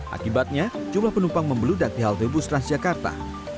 akibatnya jumlah penumpang membeludak di halte bus transjakarta